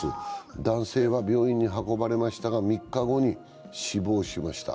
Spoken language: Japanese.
男性は病院に運ばれましたが３日後に死亡しました。